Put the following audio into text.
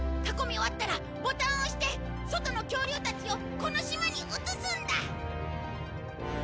囲み終わったらボタンを押して外の恐竜たちをこの島に移すんだ！